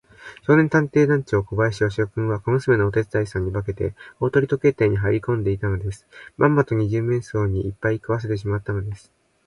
少年探偵団長小林芳雄君は、小娘のお手伝いさんに化けて、大鳥時計店にはいりこんでいたのです。まんまと二十面相にいっぱい食わせてしまったのです。